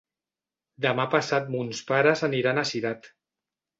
Demà passat mons pares aniran a Cirat.